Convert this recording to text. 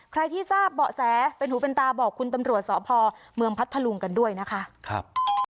ใครที่ทราบเบาะแสเป็นหูเป็นตาบอกคุณตำรวจสพเมืองพัทธลุงกันด้วยนะคะ